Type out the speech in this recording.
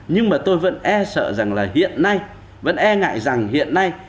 nhưng mà tôi vẫn e sợ rằng là hiện nay vẫn e ngại rằng hiện nay